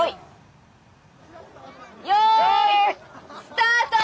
よーいスタート！